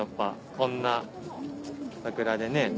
こんな桜でね。